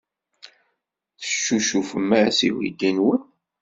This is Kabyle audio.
Teccucufem-as i uydi-nwen?